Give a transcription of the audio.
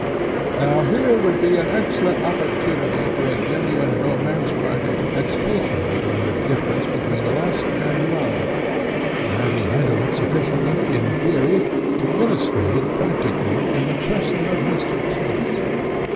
Now here would be an excellent opportunity for a genuine romance writer to expatiate on the difference between lust and love, and, having handled it sufficiently in theory, to illustrate it practically in the person of Mr. Tyss.